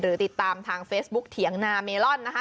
ติดตามทางเฟซบุ๊กเถียงนาเมลอนนะคะ